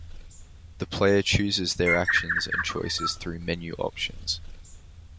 The player chooses their actions and choices through menu options.